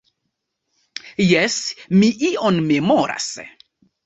Jes, mi ion memoras.